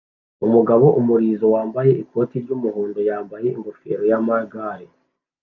Umugabo umurizo wambaye ikoti ry'umuhondo yambaye ingofero yamagare